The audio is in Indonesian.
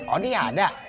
oh dia ada